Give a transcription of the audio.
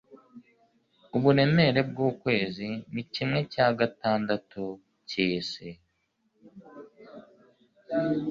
uburemere bwukwezi ni kimwe cya gatandatu cyisi